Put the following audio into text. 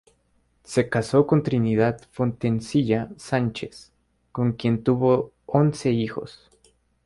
Se casó con Trinidad Fontecilla Sánchez, con quien tuvo once hijos.